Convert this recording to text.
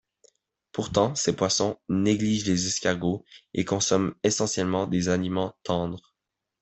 Pourtant ces poissons négligent les escargots et consomment essentiellement des aliments tendres.